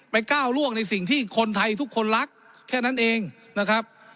ก้าวล่วงในสิ่งที่คนไทยทุกคนรักแค่นั้นเองนะครับ